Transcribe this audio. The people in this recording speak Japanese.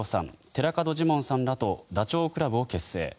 寺門ジモンさんらとダチョウ倶楽部を結成。